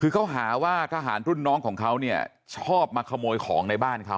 คือเขาหาว่าทหารรุ่นน้องของเขาเนี่ยชอบมาขโมยของในบ้านเขา